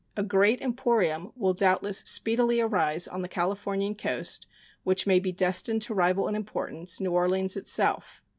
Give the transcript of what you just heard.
A great emporium will doubtless speedily arise on the Californian coast which may be destined to rival in importance New Orleans itself.